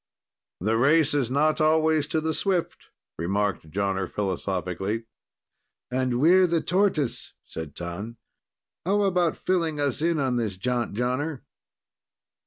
"The race is not always to the swift," remarked Jonner philosophically. "And we're the tortoise," said T'an. "How about filling us in on this jaunt, Jonner?"